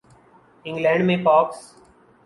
England میں پاکس